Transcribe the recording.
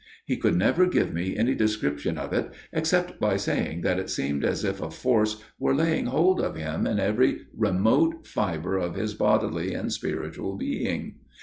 He could never give me any description of it, except by saying that it seemed as if a force were laying hold of him in every remote fibre of his bodily and spiritual being.